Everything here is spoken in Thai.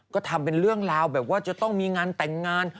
ก็ทำเป็นเรื่องราวแบบว่าจะต้องมีงานแต่งงาน